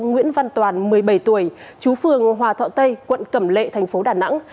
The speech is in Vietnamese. nguyễn văn toàn một mươi bảy tuổi chú phường hòa thọ tây quận cẩm lệ thành phố đà nẵng